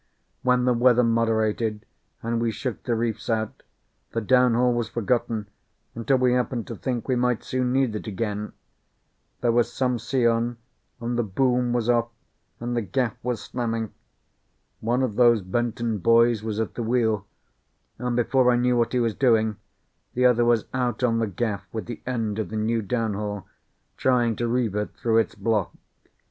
When the weather moderated, and we shook the reefs out, the downhaul was forgotten until we happened to think we might soon need it again. There was some sea on, and the boom was off, and the gaff was slamming. One of those Benton boys was at the wheel, and before I knew what he was doing, the other was out on the gaff with the end of the new downhaul, trying to reeve it through its block.